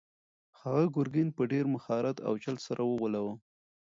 هغه ګرګین په ډېر مهارت او چل سره وغولاوه.